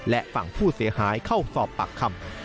และฝั่งผู้เสียหายเข้าสอบปากคำ